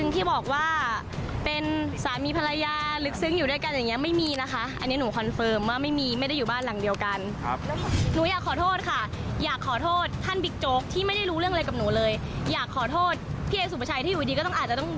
ตอนผู้โดยแลกดำรับดีาวธรรมกว่าที่หนูถูกจับกูโดนตรวจค้น